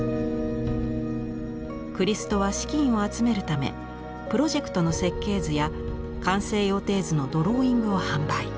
クリストは資金を集めるためプロジェクトの設計図や完成予定図のドローイングを販売。